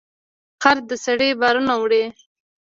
خر د سړي بارونه وړل.